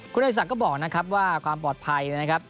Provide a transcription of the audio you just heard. คุณเอกศักดิ์ก็บอกนะครับว่าความปลอดภัยนะครับ